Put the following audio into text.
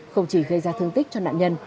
không chỉ gây ra thương tích cho nạn nhân